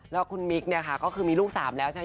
แล้วคุณมิ๊กเนี่ยค่ะก็คือมีลูก๓แล้วใช่ไหม